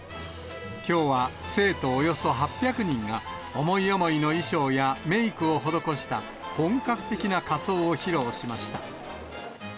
きょうは生徒およそ８００人が、思い思いの衣装やメークを施した本格的な仮装を披露しました。